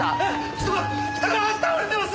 人が人が倒れてます！